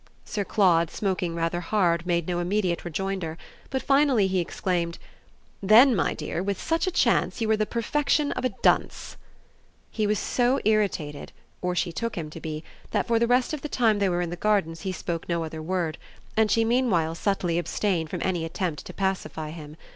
Sir Claude, smoking rather hard, made no immediate rejoinder; but finally he exclaimed: "Then my dear with such a chance you were the perfection of a dunce!" He was so irritated or she took him to be that for the rest of the time they were in the Gardens he spoke no other word; and she meanwhile subtly abstained from any attempt to pacify him.